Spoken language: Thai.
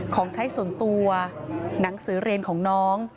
ของใช้ส่วนตัวหนังสือเรียนของน้อง